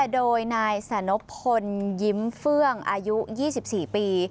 โดยนายสนพลยิ้มเฟื่องอายุ๒๔ปี